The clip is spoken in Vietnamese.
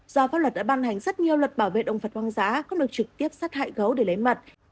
do pháp luật đã ban hành rất nhiều luật bảo vệ động vật hoang dã có luật trực tiếp sát hại gấu để lấy mật